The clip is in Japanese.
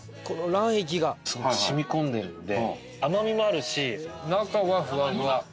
この卵液が染み込んでるんで甘みもあるし中はフワフワ。